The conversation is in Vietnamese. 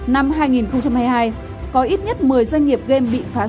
năm hai nghìn hai mươi hai có ít nhất một mươi doanh nghiệp game bị phá sản